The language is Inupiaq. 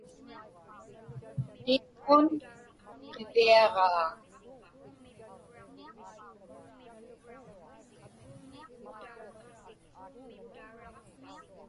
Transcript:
Tiŋŋun qiviaġaa.